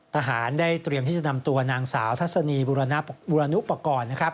ทหารได้เตรียมที่จะนำตัวนางสาวทัศนีบุรณุปกรณ์นะครับ